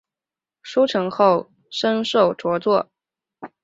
书成后升授着作。